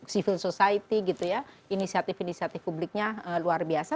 civil society inisiatif inisiatif publiknya luar biasa